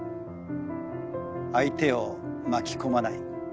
相手を巻き込まない。